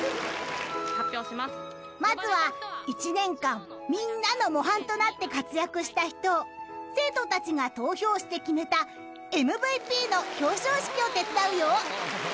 ［まずは１年間みんなの模範となって活躍した人を生徒たちが投票して決めたＭＶＰの表彰式を手伝うよ］